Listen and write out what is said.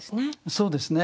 そうですね。